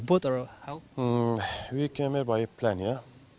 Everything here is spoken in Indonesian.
kami datang dari kapal ya